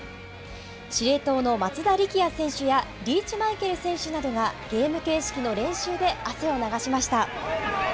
司令塔の松田力也選手やリーチマイケル選手などがゲーム形式の練習で汗を流しました。